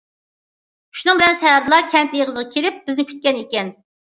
شۇنىڭ بىلەن سەھەردىلا كەنت ئېغىزغا كېلىپ بىزنى كۈتكەن ئىكەن.